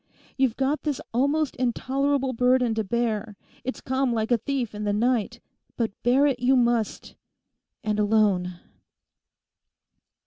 You've got this almost intolerable burden to bear; it's come like a thief in the night; but bear it you must, and _alone!